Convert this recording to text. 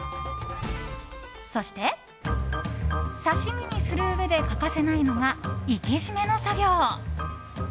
そして、刺し身にするうえで欠かせないのが、活け締めの作業。